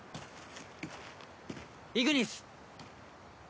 イグニス！